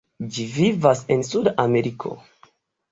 Ĝi vivas en Suda Ameriko.